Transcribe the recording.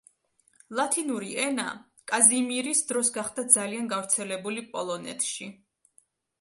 ლათინური ენა კაზიმირის დროს გახდა ძალიან გავრცელებული პოლონეთში.